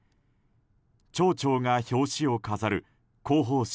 町長が表紙を飾る広報誌